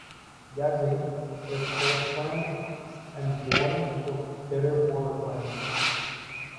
Yazzie is (Salt Clan) and born for (Bitter Water Clan).